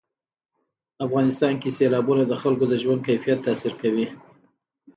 افغانستان کې سیلابونه د خلکو د ژوند کیفیت تاثیر کوي.